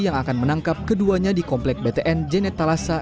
yang akan menangkap keduanya di komplek btn jenet talasa